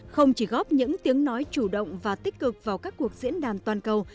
không chỉ góp những tiếng nói chủ động và tích cực vào các cuộc diễn đàn toàn cầu